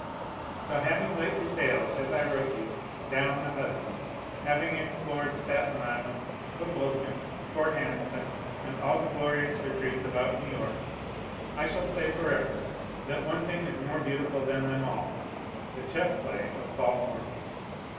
So having lately sailed, as I wrote you, down the Hudson, having explored Staten Island, Hoboken, Fort Hamilton, and all the glorious retreats about New York, I shall say forever that one thing is more beautiful than them all, — the chess play of Paid Morphy.